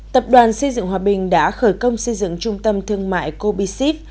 tập đoàn xây dựng hòa bình đã khởi công xây dựng trung tâm thương mại cobiship